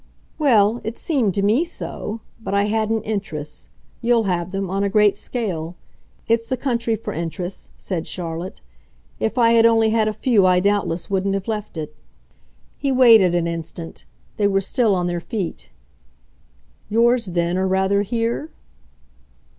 "Well, it seemed to me so but I hadn't 'interests.' You'll have them on a great scale. It's the country for interests," said Charlotte. "If I had only had a few I doubtless wouldn't have left it." He waited an instant; they were still on their feet. "Yours then are rather here?"